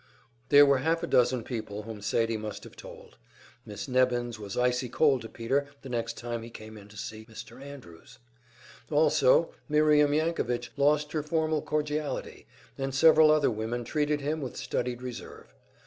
There were half a dozen people whom Sadie must have told. Miss Nebbins was icy cold to Peter the next time he came in to see Mr. Andrews; also Miriam Yankovich lost her former cordiality, and several other women treated him with studied reserve.